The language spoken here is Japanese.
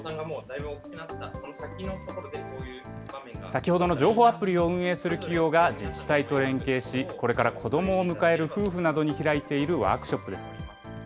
先ほどの情報アプリを運営する企業が自治体と連携し、これから子どもを迎える夫婦などに開いているワークショップです。